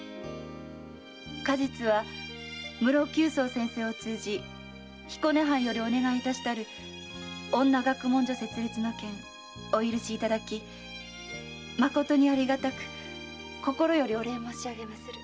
過日は室鳩巣先生を通じ彦根藩よりお願いいたしたる女学問所設立の件お許しいただきまことにありがたく心よりお礼申し上げまする。